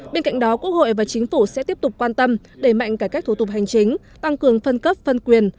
bên cạnh đó quốc hội và chính phủ sẽ tiếp tục quan tâm đẩy mạnh cải cách thủ tục hành chính tăng cường phân cấp phân quyền